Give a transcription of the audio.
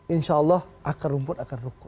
insya allah akar rumput akan rukun